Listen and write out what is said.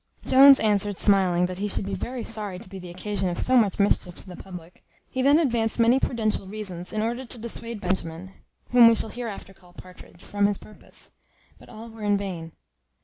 Jones answered, smiling, that he should be very sorry to be the occasion of so much mischief to the public. He then advanced many prudential reasons, in order to dissuade Benjamin (whom we shall hereafter call Partridge) from his purpose; but all were in vain.